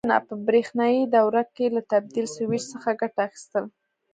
کړنه: په برېښنایي دوره کې له تبدیل سویچ څخه ګټه اخیستل: